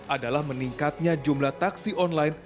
adalah meningkatnya jumlah taksi online